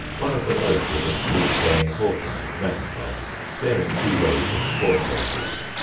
One of the lobes of its fruit bearing portion, magnified, bearing two rows of spore cases.